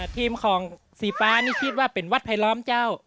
ทีมของสีฟ้านี่คิดว่าเป็นวัดไผลล้อมเจ้า